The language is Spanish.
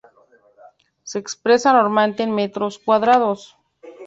Se expresa normalmente en metros cuadrados.